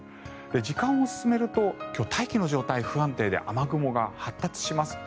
時間を進めると今日、大気の状態が不安定で雨雲が発達します。